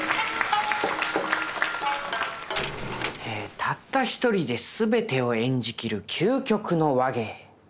たった一人で全てを演じきる究極の話芸落語。